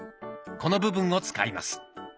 この部分を使います。